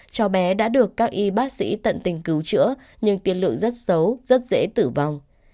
cháu bé đã được các y bác sĩ tận tình cứu chữa nhưng tiên lượng rất xấu rất dễ tử vong